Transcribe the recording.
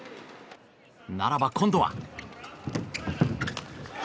ならば、今度は。